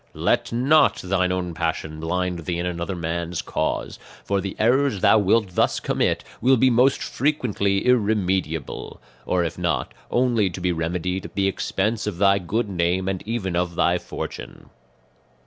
"Let not thine own passion blind thee in another man's cause; for the errors thou wilt thus commit will be most frequently irremediable; or if not, only to be remedied at the expense of thy good name and even of thy fortune.